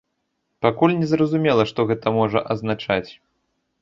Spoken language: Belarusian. Пакуль незразумела, што гэта можа азначаць.